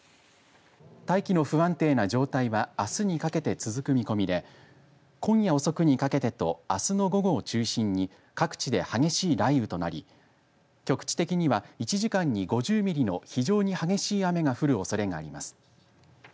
大気の不安定な状態はあすにかけて続く見込みで今夜遅くにかけてとあすの午後を中心に各地で激しい雷雨となり局地的には１時間に５０ミリの非常に激しい雨が降るおそれがあります。